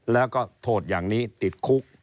แล้วก็โทษอย่างนี้ติดคุก